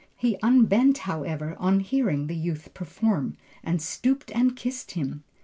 He unbent however, on hearing the youth perform, and stooped and kissed him.